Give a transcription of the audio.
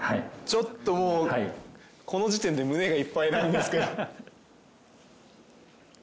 ちょっともうこの時点で胸がいっぱいなんですけど。